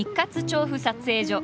調布撮影所。